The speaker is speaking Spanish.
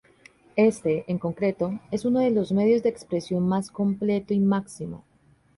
Éste, en concreto, es uno de los medios de expresión más completo y máximo.